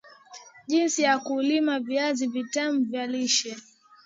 jinsi ya kulima viazi vitam vya lishe